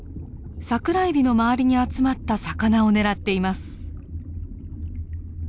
サクラエビの周りに集まった魚を狙っています。